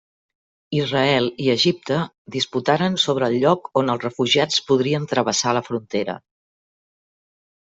Israel i Egipte disputaren sobre el lloc on els refugiats podrien travessar la frontera.